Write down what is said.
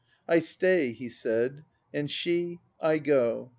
"I stay," he said; and she "I go."